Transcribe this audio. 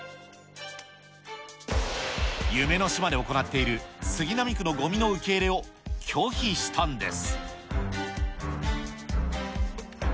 夢の島で行っている杉並区のごみの受け入れを拒否したんです。